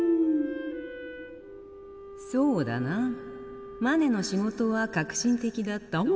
そうだなマネの仕事は革新的だった。